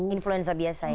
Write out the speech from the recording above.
influensa biasa ya